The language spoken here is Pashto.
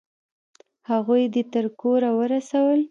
هغوی دې تر کوره ورسول؟